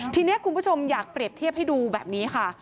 ทีนี้คุณผู้ชมอยากเปรียบเทียบให้ดูแบบนี้ค่ะ